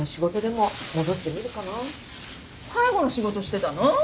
介護の仕事してたの？